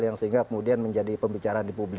yang sehingga kemudian menjadi pembicaraan